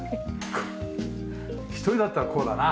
一人だったらこうだな。